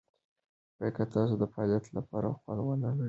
که تاسو د فعالیت لپاره خوند ونه لرئ، تمرین مه کوئ.